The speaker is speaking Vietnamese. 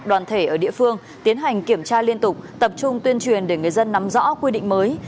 đoàn thể ở địa phương tiến hành kiểm tra liên tục tập trung tuyên truyền để người dân nắm rõ quy định mới